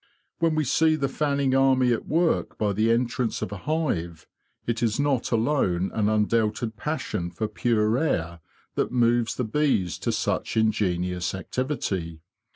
When we see the fanning army at work by the entrance of a hive, it is not alone an undoubted passion for pure air that moves the bees to such ingenious activity.